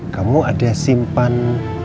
kamu ada simpan